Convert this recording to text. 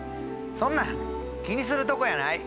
そんなん気にするとこやない。